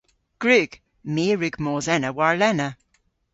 Gwrug. My a wrug mos ena warlena.